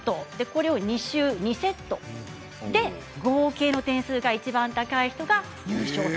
これを２周２セットで合計の点数がいちばん高い人が優勝。